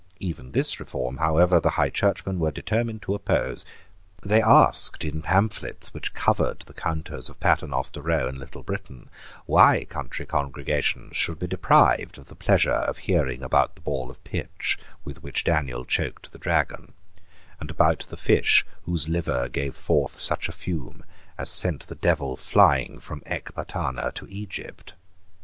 Even this reform, however, the High Churchmen were determined to oppose. They asked, in pamphlets which covered the counters of Paternoster Row and Little Britain, why country congregations should be deprived of the pleasure of hearing about the ball of pitch with which Daniel choked the dragon, and about the fish whose liver gave forth such a fume as sent the devil flying from Ecbatana to Egypt.